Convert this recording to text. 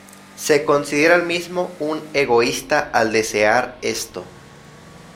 Se considera el mismo un egoísta al desear esto.